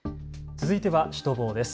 続いてはシュトボーです。